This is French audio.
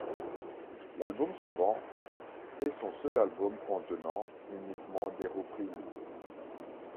L'album suivant ' est son seul album contenant uniquement des reprises.